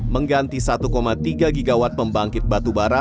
mengganti satu tiga gigawatt pembangkit batubara